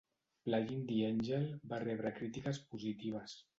"Playing the Angel" va rebre crítiques positives.